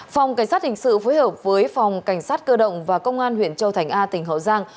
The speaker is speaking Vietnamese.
phòng cảnh sát hình sự phối hợp với phòng cảnh sát cơ động và công an huyện châu thành a tỉnh hậu giang